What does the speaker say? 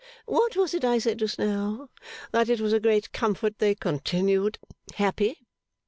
What was it I said just now? That it was a great comfort they continued happy.